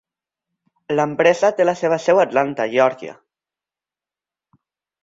L'empresa té la seva seu a Atlanta, Geòrgia.